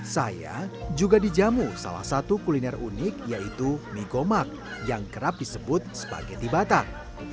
saya juga dijamu salah satu kuliner unik yaitu mie gomak yang kerap disebut spageti batak